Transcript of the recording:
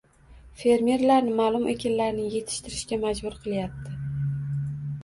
- fermerlarni ma’lum ekinlarni yetishtirishga majbur qilyapti;